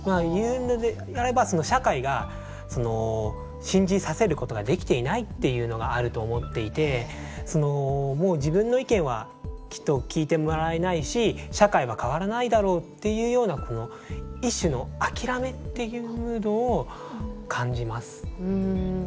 言うのであれば社会が信じさせることができていないっていうのがあると思っていてもう自分の意見はきっと聞いてもらえないし社会は変わらないだろうっていうような一種の諦めっていうムードを感じます。